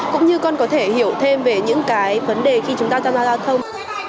cũng như con có thể hiểu thêm về những cái vấn đề khi chúng ta tham gia giao thông